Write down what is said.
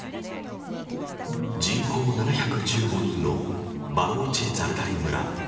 人口７１５人のバローチ・ザルダリ村。